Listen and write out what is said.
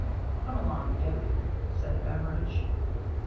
" Come along, Dick," said Beveridge.